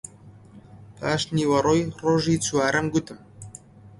پاش نیوەڕۆی ڕۆژی چوارەم گوتم: